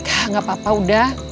enggak apa apa udah